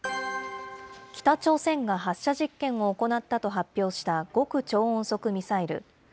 北朝鮮が発射実験を行ったと発表した極超音速ミサイル。